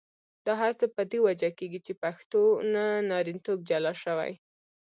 دا هر څه په دې وجه کېږي چې پښتون نارینتوب جلا شوی.